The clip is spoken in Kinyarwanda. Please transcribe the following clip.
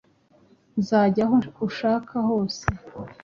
Nzajya aho ushaka hose.